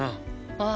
ああ。